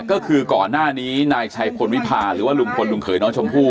ก็คือก่อนหน้านี้นายชัยพลวิพาหรือว่าลุงพลลุงเขยน้องชมพู่